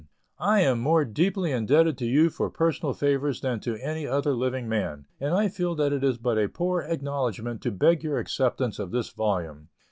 _: I am more deeply indebted to you for personal favors than to any other living man, and I feel that it is but a poor acknowledgment to beg your acceptance of this volume.